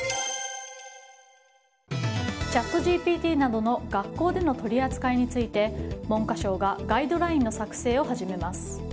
チャットＧＰＴなどの学校での取り扱いについて文科省がガイドラインの作成を始めます。